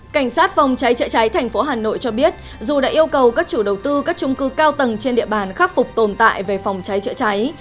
cảnh sát phòng cháy chữa cháy thành phố hà nội cho biết dù đã yêu cầu các chủ đầu tư các trung cư cao tầng trên địa bàn khắc phục tồn tại về phòng cháy chữa cháy